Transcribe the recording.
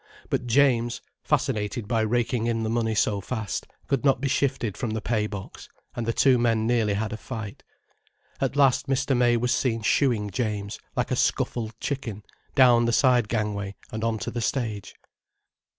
But James, fascinated by raking in the money so fast, could not be shifted from the pay box, and the two men nearly had a fight. At last Mr. May was seen shooing James, like a scuffled chicken, down the side gangway and on to the stage.